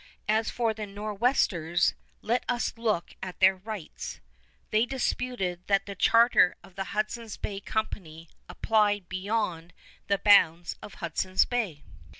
As for the Nor'westers, let us look at their rights. They disputed that the charter of the Hudson's Bay Company applied beyond the bounds of Hudson Bay.